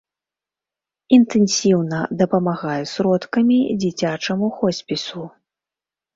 Інтэнсіўна дапамагае сродкамі дзіцячаму хоспісу.